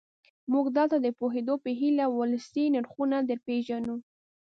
موږ دلته د پوهېدو په هیله ولسي نرخونه درپېژنو.